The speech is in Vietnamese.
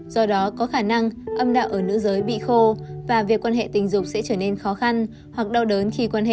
do đó có khả năng âm đạo ở nữ giới bị khô và việc quan hệ tình dục sẽ trở nên khó khăn hoặc đau đớn khi quan hệ